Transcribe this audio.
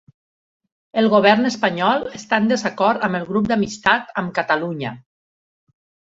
El govern espanyol està en desacord amb el grup d'amistat amb Catalunya